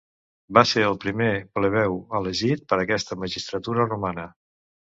Va ser el primer plebeu elegit per aquesta magistratura romana.